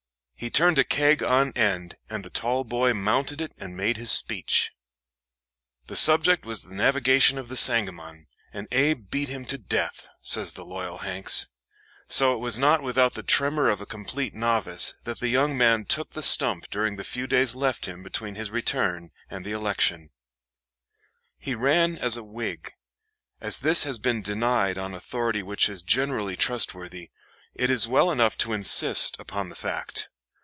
He turned a keg on end, and the tall boy mounted it and made his speech. "The subject was the navigation of the Sangamon, and Abe beat him to death," says the loyal Hanks. So it was not with the tremor of a complete novice that the young man took the stump during the few days left him between his return and the election. [Sidenote: Reynolds, "My Own Times," p. 291.] He ran as a Whig. As this has been denied on authority which is generally trustworthy, it is well enough to insist upon the fact.